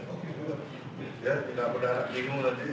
kalau tidak tidak pedana bingung